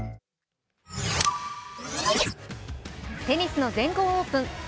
テニスの全豪オープン。